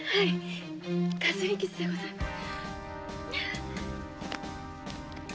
かすり傷でございます。